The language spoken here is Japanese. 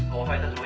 「はい！」